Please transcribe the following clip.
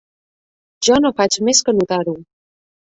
Jo no faig més que anotar-ho